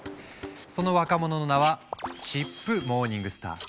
その若者の名はチップ・モーニングスター。